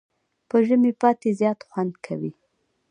په ژمي پاتی زیات خوند کوي.